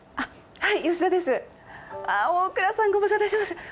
はい。